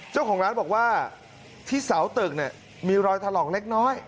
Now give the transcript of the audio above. เจ้าของร้านบอกว่าที่เสาตึกมีรอยถล่องเล็ก